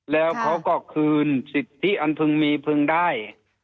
แล้วเขาก็คืนสิทธิอันพึงมีพึงได้